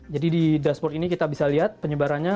jadi di dashboard ini kita bisa lihat penyebarannya